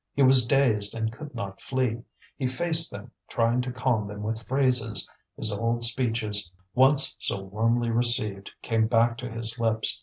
He was dazed and could not flee; he faced them, trying to calm them with phrases. His old speeches, once so warmly received, came back to his lips.